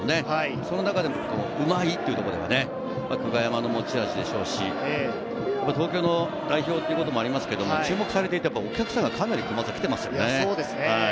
その中でもうまいというのが久我山の持ち味でしょうし、東京の代表ということもありますが、注目されていて、お客さんがかなり来ていますよね。